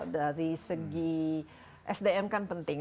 dari segi sdm kan penting